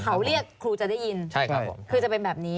เขาเรียกครูจะได้ยินคือจะเป็นแบบนี้